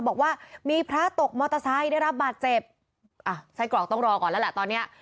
บอกว่ามีพระตกมอเตอร์ไซค์ได้รับบาดเจ็บอ่ะไส้กรอกต้องรอก่อนแล้วแหละตอนเนี้ย